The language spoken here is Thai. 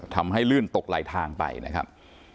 ทำให้ลื่นตกไหลทางไปนะครับ